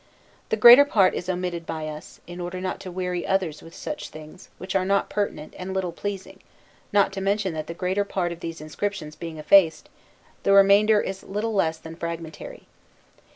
The greater part is omitted by us, in order not to weary others with such things, which are not pertinent and little pleasing, not to mention that the greater part of these inscriptions being effaced, the remainder is little less than fragmentary.